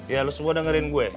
ya lo semua dengerin gue